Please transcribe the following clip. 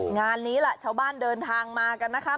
งานนี้ล่ะชาวบ้านเดินทางมากันนะคะ